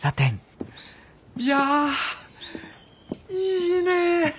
いやいいねえ。